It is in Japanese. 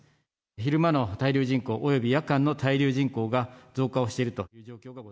昼間の滞留人口、および夜間の滞留人口が増加をしていると。